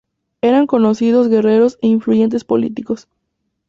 Eran conocidos guerreros e influyentes políticos.